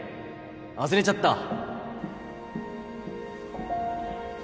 忘れちゃったわ